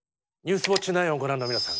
「ニュースウオッチ９」をご覧の皆さん